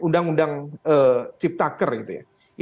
undang undang ciptaker itu kan sudah diamanahi